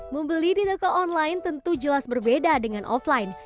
membeli di toko online tentu jelas berbeda dengan offline